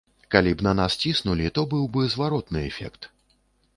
Калі б на нас ціснулі, то быў бы зваротны эфект.